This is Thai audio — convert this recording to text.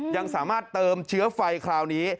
ยังสามารถเติมเชื้อไฟคราวนี้